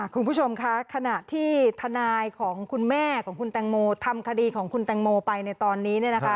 คุณผู้ชมคะขณะที่ทนายของคุณแม่ของคุณแตงโมทำคดีของคุณแตงโมไปในตอนนี้